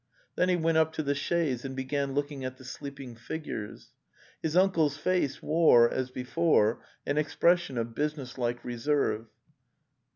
Then he went up to the chaise and began looking at the sleeping figures. His uncle's face wore, as be fore, an expression of business like reserve.